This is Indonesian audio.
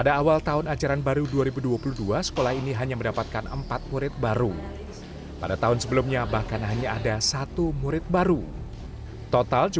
karena usia anak sekolah pertama tidak ada masih usia usia di bawah lima tahun